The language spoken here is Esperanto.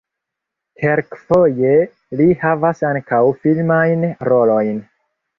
Kelkfoje li havas ankaŭ filmajn rolojn.